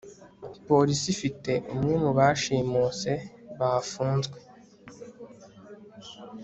polisi ifite umwe mu bashimuse bafunzwe